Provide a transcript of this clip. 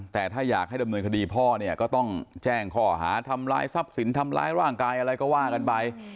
แต่ถ้าอยากให้ดำเนินคดีพ่อเนี่ยก็ต้องแจ้งข้อหาทำร้ายทรัพย์สินทำร้ายร่างกายอะไรก็ว่ากันไป